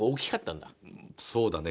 そうだね。